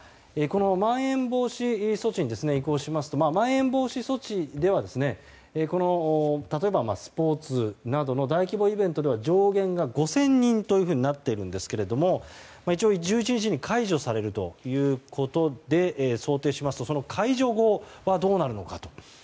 まん延防止措置に移行しますとまん延防止措置では例えば、スポーツなどの大規模イベントでは上限が５０００人となっているんですけれども一応、１１日に解除されるということで想定しますと解除後はどうなるのかと。